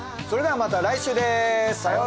それではまた来週です。